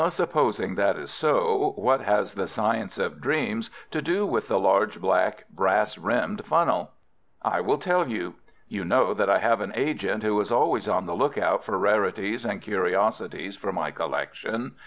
"Supposing that is so, what has the science of dreams to do with a large black brass rimmed funnel?" "I will tell you. You know that I have an agent who is always on the lookout for rarities and curiosities for my collection.